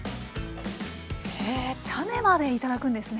へぇ種まで頂くんですね。